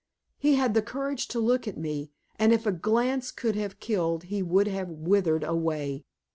He had the courage to look at me, and if a glance could have killed he would have withered away.